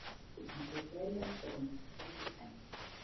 Le Grand Hôtel est dans le centre-ville de Cannes.